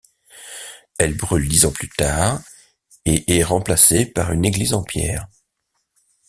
Elle brûle dix ans plus tard et est remplacée par une église en pierre.